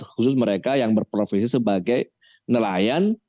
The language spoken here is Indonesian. khusus mereka yang berprofesi sebagai nelayan